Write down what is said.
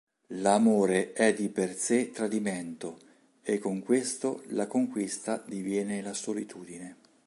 L'amore è di per sé tradimento e con questo “la conquista” diviene la solitudine.